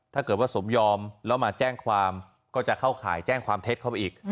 ถ้าเกิดว่าสมยอมแล้วมาแจ้งความก็จะเข้าข่ายแจ้งความเท็จเข้าไปอีก